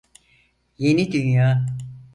Yeni Dünya